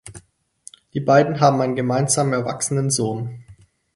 Die beiden haben einen gemeinsamen erwachsenen Sohn.